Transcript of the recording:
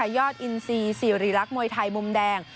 ยอดอินซีสิริรักษ์มวยไทยมุมแดง